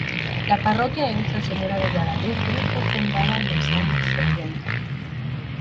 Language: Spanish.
La parroquia de Nuestra Señora de Guadalupe fue fundada en los años setenta.